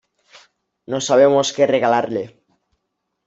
No sabemos qué regalarle.